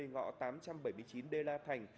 ngọ tám trăm bảy mươi chín đê la thành